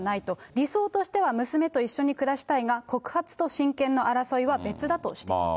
理想としては娘と一緒に暮らしたいが、告発と親権の争いは別だとしています。